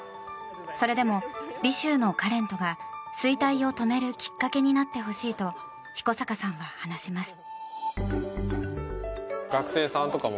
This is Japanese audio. それでも、尾州のカレントが衰退を止めるきっかけになってほしいと彦坂さんは話します。